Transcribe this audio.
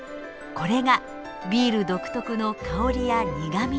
これがビール独特の香りや苦みのもと。